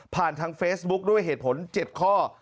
ทางเฟซบุ๊คด้วยเหตุผล๗ข้อ